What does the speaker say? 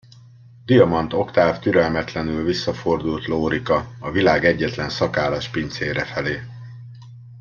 Diamant Oktáv türelmetlenül visszafordult Lórika, a világ egyetlen szakállas pincére felé.